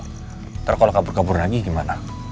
nanti kalau kabur kabur lagi gimana